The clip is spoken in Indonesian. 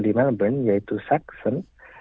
di melbourne yaitu saxon